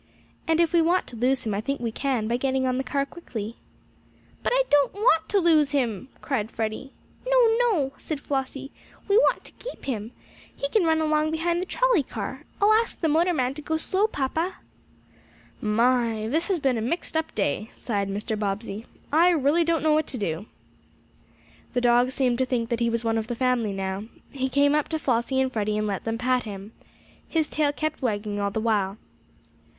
And if we want to lose him I think we can, by getting on the car quickly." "But we don't want to lose him!" cried Freddie. "No, no!" said Flossie. "We want to keep him. He can run along behind the trolley car. I'll ask the motorman to go slow, papa." "My! This has been a mixedup day!" sighed Mr. Bobbsey. "I really don't know what to do." The dog seemed to think that he was one of the family, now. He came up to Flossie and Freddie and let them pat him. His tail kept wagging all the while.